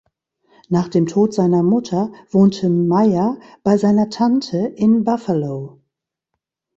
Nach dem Tod seiner Mutter wohnte Myer bei seiner Tante in Buffalo.